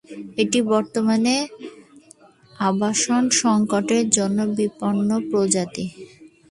এটি বর্তমানে আবাসন সংকটের জন্য বিপন্ন প্রজাতি।